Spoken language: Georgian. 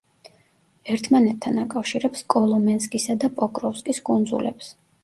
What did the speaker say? ერთმანეთთან აკავშირებს კოლომენსკისა და პოკროვსკის კუნძულებს.